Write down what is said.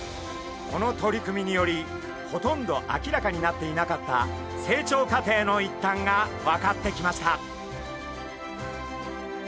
この取り組みによりほとんど明らかになっていなかった成長過程の一端が分かってきました。